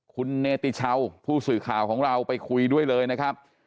คุณเนติชาวผู้สื่อข่าวของเราไปคุยด้วยเลยนะครับ